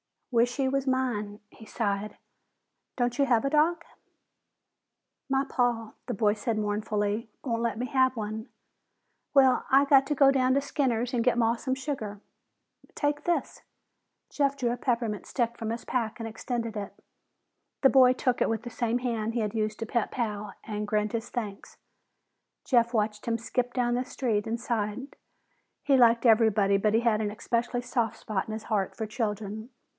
"Wish he was mine!" he sighed. "Don't you have a dog?" "My paw," the boy said mournfully, "won't let me have one. Well, I got to go down to Skinner's and get Maw some sugar." "Take this." Jeff drew a peppermint stick from his pack and extended it. The boy took it with the same hand he had used to pet Pal and grinned his thanks. Jeff watched him skip down the street and sighed. He liked everybody, but he had an especially soft spot in his heart for children.